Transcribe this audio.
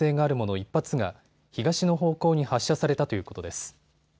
１発が東の方向に発射されたということです。